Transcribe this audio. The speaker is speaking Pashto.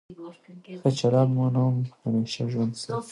ښه چلند مو نوم همېشه ژوندی ساتي.